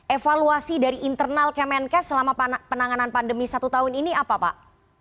evaluasi dari internal kemenkes selama penanganan pandemi satu tahun ini apa pak